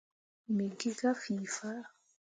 Me gi ka fii faa.